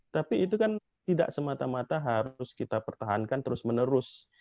tapi itu kan tidak semata mata harus kita pertahankan terus menerus